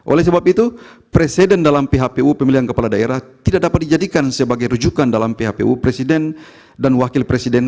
oleh sebab itu presiden dalam phpu pemilihan kepala daerah tidak dapat dijadikan sebagai rujukan dalam phpu presiden dan wakil presiden